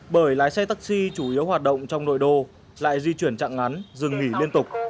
bởi lái xe taxi chủ yếu hoạt động trong nội đô lại di chuyển trạng ngắn dừng nghỉ liên tục